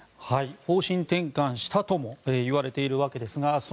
方針転換したともいわれているわけですが。